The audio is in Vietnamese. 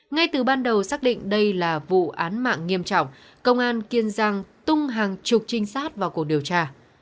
ngay từ ban đầu xác định đây là vụ án mạng nghiêm trọng công an kiên giang tung hàng chục trinh sát vào cuộc điều tra